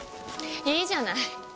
いいじゃない。